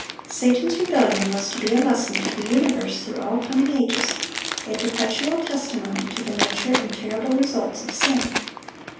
Satan's rebellion was to be a lesson to the universe through all coming ages, a perpetual testimony to the nature and terrible results of sin.